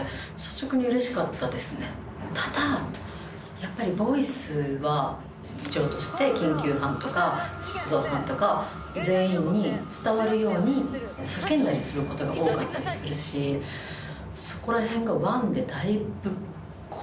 やっぱり『ボイス』は室長として緊急班とか出動班とか全員に伝わるように叫んだりすることが多かったりするしそこらへんが。